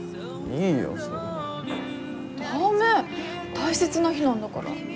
大切な日なんだから。